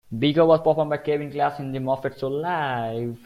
Beaker was performed by Kevin Clash in "The Muppet Show Live".